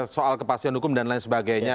soal kepastian hukum dan lain sebagainya